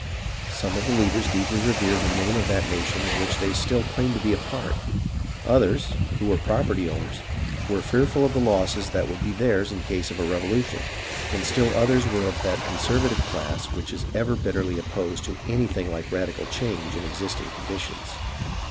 Some of the leaders deeply revered the name of the nation of which they still claimed to be a part ; others, who were property owners, were fearful of the losses that would be theirs in case of a revolution ; and still others were of that conservative class which is ever bitterly opposed to anything like a radical change in existing conditions.